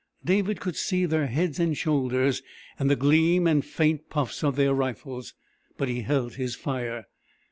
David could see their heads and shoulders and the gleam and faint puffs of their rifles, but he held his fire.